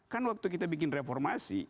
kan waktu kita bikin reformasi